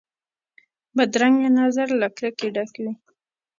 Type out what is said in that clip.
بدرنګه نظر له کرکې ډک وي